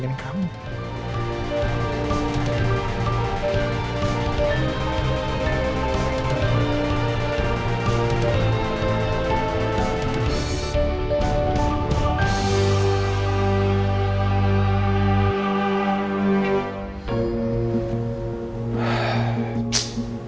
tidak ada yang ngerti